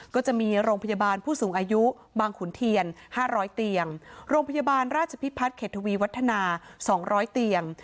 ก็จะมีโรงพยาบาลผู้สูงอายุบางขุนเทียน๕๐๐เตียงโรงพยาบาลราชพิพัฒน์เขตทวีวัฒนา๒๐๐เตียง